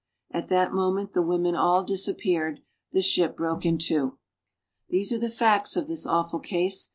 At that moment the women all disappeared, the ship broke in two. These are the facts of this awful case.